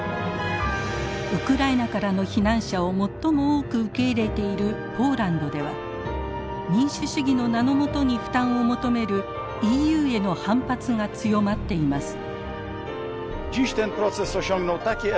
ウクライナからの避難者を最も多く受け入れているポーランドでは民主主義の名の下に負担を求めるＥＵへの反発が強まっています。